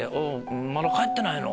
まだ帰ってないの？